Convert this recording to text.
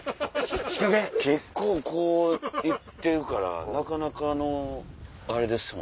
結構こう行ってるからなかなかのあれですもんね。